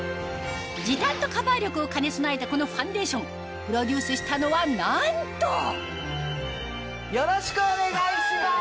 時短とカバー力を兼ね備えたこのファンデーションなんとよろしくお願いします！